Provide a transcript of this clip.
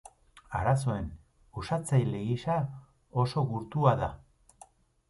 Arazoen uxatzaile gisa oso gurtua da.